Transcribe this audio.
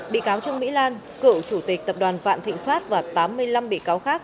bị cáo trương mỹ lan cựu chủ tịch tập đoàn vạn thịnh pháp và tám mươi năm bị cáo khác